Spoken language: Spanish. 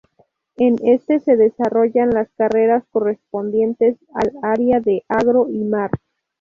En este se desarrollan las carreras correspondientes al área del Agro y Mar.